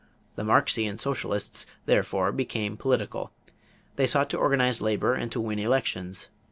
The Marxian socialists, therefore, became political. They sought to organize labor and to win elections.